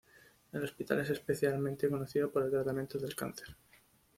El hospital es especialmente conocido por el tratamiento del cáncer.